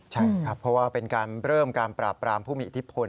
ใช่ครับเพราะว่าเป็นการเริ่มการปราบปรามผู้มีอิทธิพล